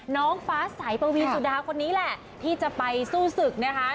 น้องฟ้าสายปวีนสุดาคนนี้แหละที่จะไปสู้ศึกนะคะ